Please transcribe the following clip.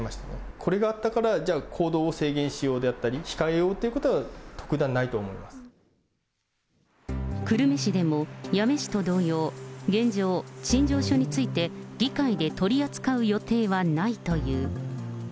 これがあったから、じゃあ行動を制限しようであったり、控えようということは、特段ないと思いま久留米市でも、八女市と同様、現状、陳情書について議会で取り扱う予定はないという。